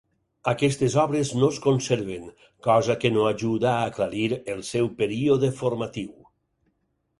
Aquestes obres no es conserven, cosa que no ajuda a aclarir el seu període formatiu.